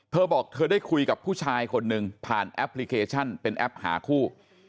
เธอบอกเธอได้คุยกับผู้ชายคนหนึ่งผ่านแอปพลิเคชันเป็นแอปหาคู่